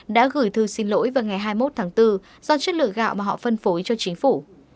đã gửi thư xin lỗi vào ngày hai mươi một tháng bốn do chất lượng gạo mà họ phân phối cho chính phủ